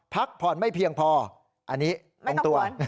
พักผ่อนไม่เพียงพออันนี้ลงตัว